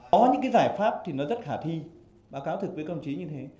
có những cái giải pháp thì nó rất khả thi báo cáo thực với công chí như thế